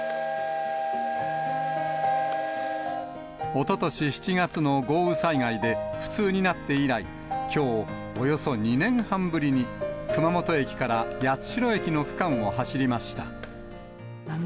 おととし７月の豪雨災害で不通になって以来、きょう、およそ２年半ぶりに熊本駅から八代駅の区間を走りました。